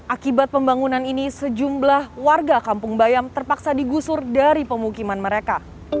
akibat pembangunan ini sejumlah warga kampung bayam terpaksa digusur dari pemukiman mereka